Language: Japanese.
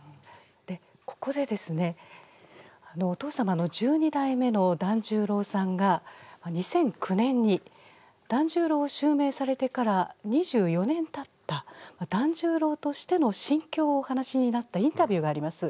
ここでお父様の十二代目の團十郎さんが２００９年に團十郎を襲名されてから２４年たった團十郎としての心境をお話しになったインタビューがあります。